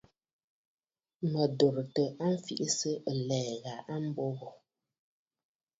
Mə̀ dòrɨ̀tə a mfiʼisə̂ ɨ̀lɛ̀ɛ̂ gha a mbo wò.